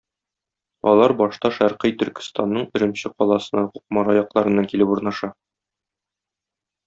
Алар башта Шәркый Төркестанның Өремче каласына Кукмара якларыннан килеп урнаша.